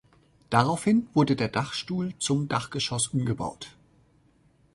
Daraufhin wurden der Dachstuhl zum Dachgeschoss umgebaut.